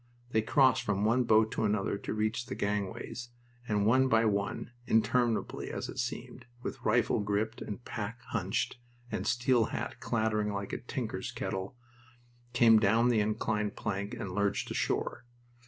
They crossed from one boat to another to reach the gangways, and one by one, interminably as it seemed, with rifle gripped and pack hunched, and steel hat clattering like a tinker's kettle, came down the inclined plank and lurched ashore.